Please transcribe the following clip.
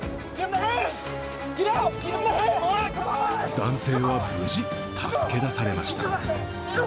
男性は無事、助け出されました。